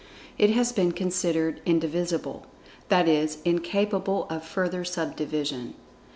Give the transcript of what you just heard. It has been considered indivisible—that is, incapable of further sub division.